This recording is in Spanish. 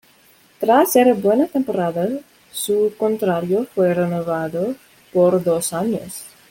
Tras esta buena temporada, su contrato fue renovado por dos años.